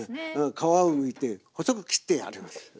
皮をむいて細く切ってあります。